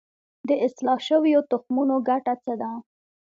د اصلاح شویو تخمونو ګټه څه ده؟